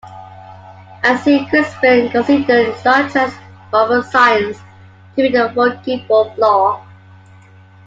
Ann C. Crispin considered "Star Trek"'s rubber science to be a forgivable flaw.